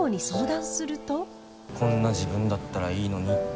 「こんな自分だったらいいのに」って。